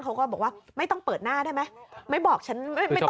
เขาก็บอกว่าไม่ต้องเปิดหน้าได้ไหมไม่บอกฉันไม่ต้อง